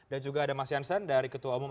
dan juga ada mas jansen dari ketua umum